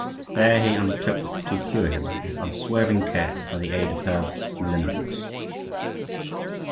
There he undertook to cure him, with unswerving care, by the aid of herbs and liniments.